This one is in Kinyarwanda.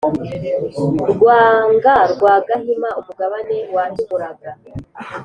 rwenga rwa gahima, umugabe wahimuraga